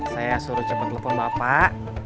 saya suruh cepet telfon bapak